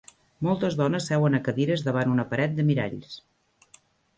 Moltes dones seuen a cadires davant una paret de miralls.